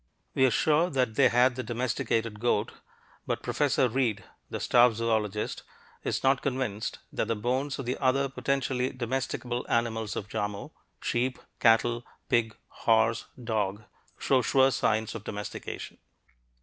We are sure that they had the domesticated goat, but Professor Reed (the staff zoologist) is not convinced that the bones of the other potentially domesticable animals of Jarmo sheep, cattle, pig, horse, dog show sure signs of domestication.